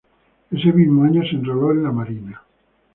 Ese mismo año se enroló en la Marina.